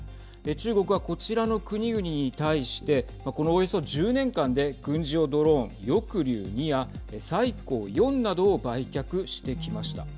中国は、こちらの国々に対してこのおよそ１０年間で軍事用ドローン翼竜２や彩虹４などを売却してきました。